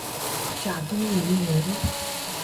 贾敦颐人。